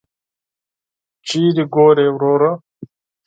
چیري ګورې وروره !